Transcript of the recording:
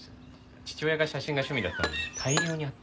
父親が写真が趣味だったので大量にあって。